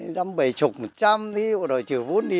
dăm bảy chục một trăm thì đổi trừ vốn đi